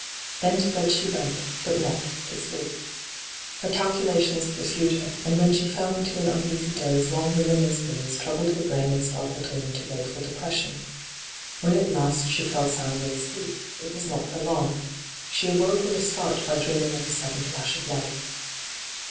Then to bed she went, but not to sleep. Her calculations pursued her, and when she fell into an uneasy doze long milliners' bills troubled her brain and startled her into wakeful depression. When at last she fell soundly asleep, it was not for long. She awoke with a start by dreaming of a sudden flash of light.